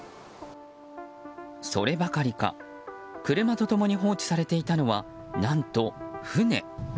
そればかりか、車と共に放置されていたのは、何と船。